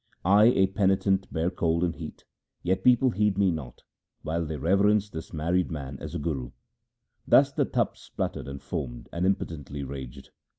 I a penitent bear cold and heat, yet people heed me not, while they reverence this married man as a guru.' Thus the Tapa spluttered, and foamed, and impotently raged.